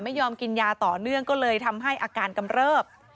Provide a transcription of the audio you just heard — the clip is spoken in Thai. ไม่ยอมกินยาต่อเนื่องก็เลยทำให้อาการกำเริบ